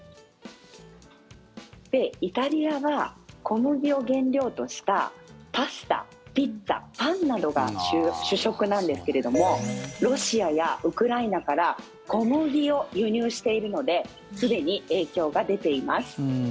イタリアは小麦を原料としたパスタ、ピッツァ、パンなどが主食なんですけれどもロシアやウクライナから小麦を輸入しているのですでに影響が出ています。